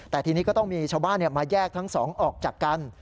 แต่ทีนี้ก็ต้องมีชาวบ้านมาแยกทั้งสองออกจากกัน